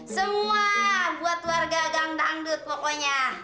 semua buat warga gang dangdut pokoknya